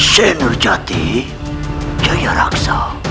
seher jati jaya raksa